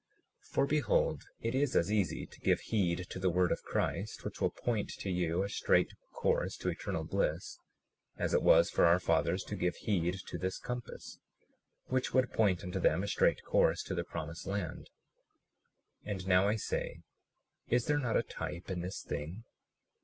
37:44 For behold, it is as easy to give heed to the word of Christ, which will point to you a straight course to eternal bliss, as it was for our fathers to give heed to this compass, which would point unto them a straight course to the promised land. 37:45 And now I say, is there not a type in this thing?